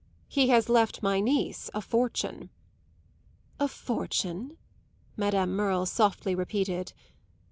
"He has left my niece a fortune." "A fortune!" Madame Merle softly repeated.